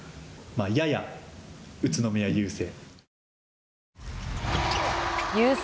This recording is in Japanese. やや宇都宮、優勢。